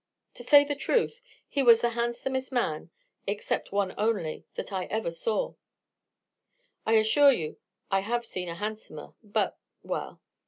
To say the truth, he was the handsomest man, except one only, that I ever saw I assure you, I have seen a handsomer but well.